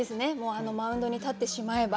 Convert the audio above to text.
あのマウンドに立ってしまえば。